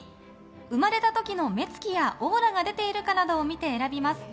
生まれた時の目つきやオーラが出ているかなどを見て選びます。